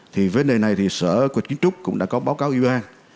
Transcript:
thì vấn đề này thì sở kiến trúc cũng đã có báo cáo ủy ban